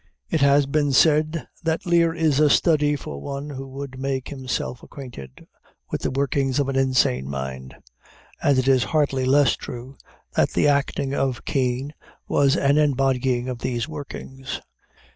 It has been said that Lear is a study for one who would make himself acquainted with the workings of an insane mind. And it is hardly less true, that the acting of Kean was an embodying of these workings.